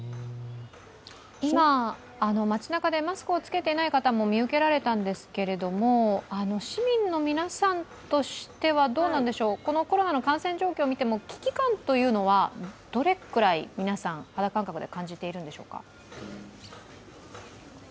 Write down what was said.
今、町なかでマスクを着けていない方も見受けられたんですけれども市民の皆さんとしてはどうなんでしょう、このコロナの感染状況を見ても、危機感はどれくらい皆さん、肌感覚で感じているんでしょうか？